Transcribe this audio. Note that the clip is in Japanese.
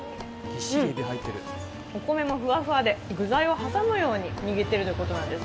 お米もふわふわで、具材を挟むように握っているということです。